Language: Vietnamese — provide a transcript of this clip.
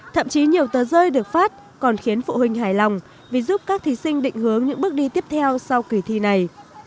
thậm chí nhiều tờ rơi được phát còn khiến phụ huynh hài lòng vì giúp các thí sinh định hướng những bước đi tiếp theo sau kỳ thi này